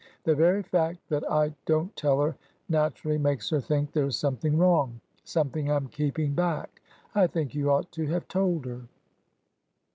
The very fact that I don't tell her naturally makes her think there 's something wrong— something I 'm keeping back. ... I think you ought to have told her."